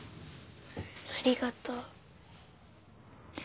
ありがとう。